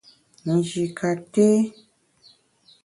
Nji ka nté.